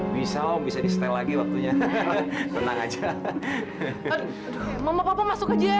bisa om bisa di setel lagi waktunya